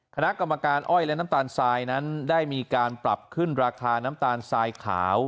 คณะกรรมการอ้อยและน้ำตาลทรายนั้นได้มีการปรับขึ้นราคาน้ำตาลทรายขาว